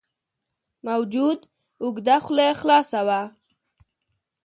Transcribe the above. موجود اوږده خوله خلاصه وه.